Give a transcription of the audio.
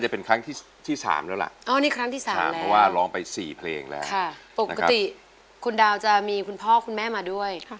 เพราะว่าร้องไป๔เพลงแล้วปกติคุณดาวจะมีคุณพ่อคุณแม่มาด้วย